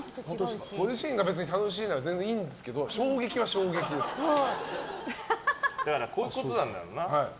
楽しいなら楽しいで別にいいんですけどだからこういうことなんだろうな。